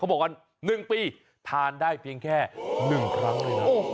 บอกว่า๑ปีทานได้เพียงแค่๑ครั้งเลยนะ